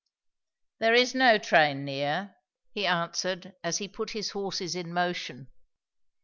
"There is no train near," he answered as he put his horses in motion.